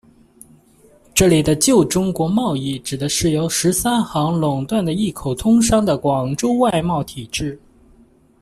这里的旧中国贸易指的是由十三行垄断的一口通商的广州外贸体制。